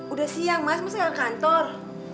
udah siang mas mas nggak ke kantor